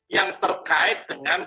yang terkait dengan